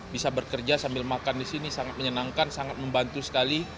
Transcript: bisa bekerja sambil makan di sini sangat menyenangkan sangat membantu sekali